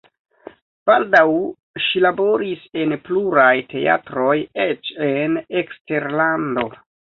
Baldaŭ ŝi laboris en pluraj teatroj eĉ en eksterlando.